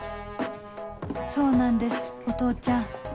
そうなんですお父ちゃん